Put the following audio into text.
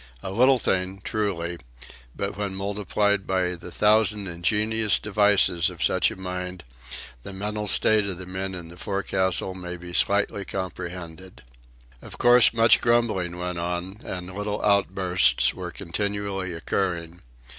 A little thing, truly, but when multiplied by the thousand ingenious devices of such a mind, the mental state of the men in the forecastle may be slightly comprehended. Of course much grumbling went on, and little outbursts were continually occurring.